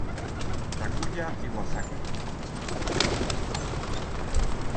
Takuya Iwasaki